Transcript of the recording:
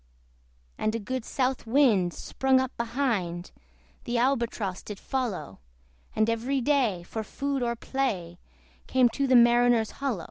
And a good south wind sprung up behind; The Albatross did follow, And every day, for food or play, Came to the mariners' hollo!